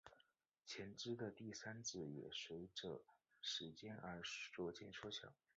前肢的第三指也随者时间而逐渐缩小。